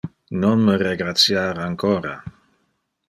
Non me regratiar ancora.